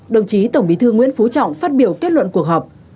đồng chí tổng bí thư nguyễn phú trọng phát biểu kết luận cuộc họp